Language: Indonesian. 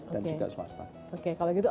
dan juga swasta oke kalau begitu